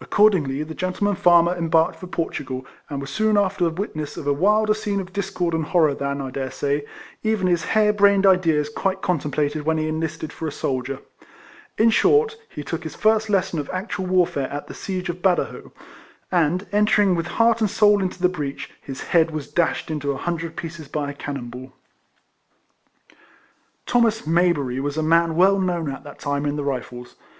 Accordingly the gentleman farmer embarked for Portugal, and was soon after witness of a wilder scene of discord and horror than, T dare say, even his hair brained ideas quite contemplated when he enlisted for a soldier ; in short, he took his first lesson of actual warfare at the siege of Badajoz, and, enter ing with heart and soul into the breach, RIFLEM.NJN HARRIS 123 his head was dashed into a hundred pieces by a cannon ball. Thomas Mayberiy was a man well known at that time in the Rifles.